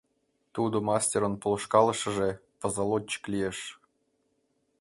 Тудо мастерын полышкалышыже — позолотчик лиеш.